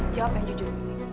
jawab yang jujur